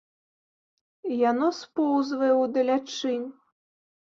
Яно споўзвае ў далячынь.